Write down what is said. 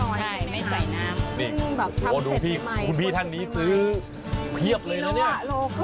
ไม่ใส่น้ำทำเสร็จใหม่นี่โอ้โฮดูที่คุณพี่คุณพี่ท่านนี้ซื้อเยอะกี่กิโลวะโลครึ่ง